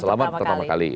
selamat pertama kali